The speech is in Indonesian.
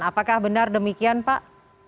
apakah benar demikian pak